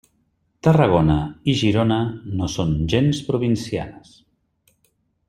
Tarragona i Girona no són gens provincianes.